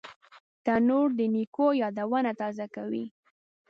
تنور د نیکو یادونه تازه کوي